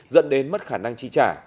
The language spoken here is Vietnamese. dẫn đến mất khả năng chi trả